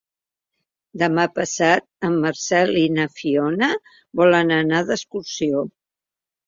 Demà passat en Marcel i na Fiona volen anar d'excursió.